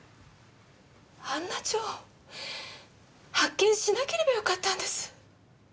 あんな蝶発見しなければよかったんです！